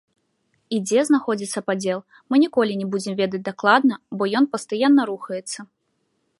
І дзе знаходзіцца падзел, мы ніколі не будзем ведаць дакладна, бо ён пастаянна рухаецца.